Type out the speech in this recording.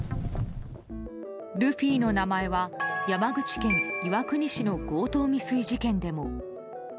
ルフィの名前は山口県岩国市の強盗未遂事件でも。